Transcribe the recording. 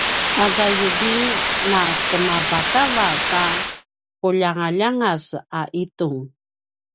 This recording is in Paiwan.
azua yubing na kemavakava ta quljangaljangas a itung